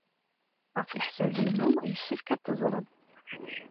Ɣef leḥsab-inu yessefk ad t-teẓreḍ.